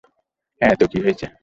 হ্যাঁ, তো কী হয়েছে?